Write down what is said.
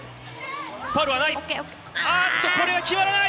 ファウルはない。